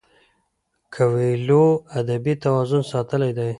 کویلیو ادبي توازن ساتلی دی.